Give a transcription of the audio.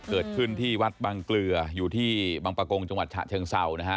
เกิดขึ้นที่วัดบางเกลืออยู่ที่บางประกงจังหวัดฉะเชิงเศร้านะฮะ